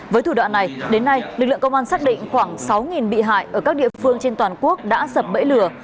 với thủ đoạn này đến nay lực lượng công an xác định khoảng sáu bị hại ở các địa phương trên toàn quốc đã sập bẫy lừa